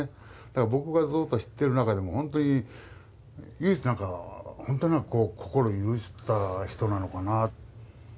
だからぼくがずっと知ってる中でもほんとに唯一なんかほんとに心許した人なのかな。